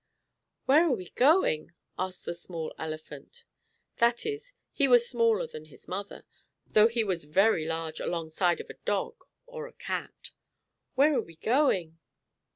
"Where are we going?" asked the small elephant. That is he was smaller than his mother, though he was very large along side of a dog or a cat. "Where are we going?"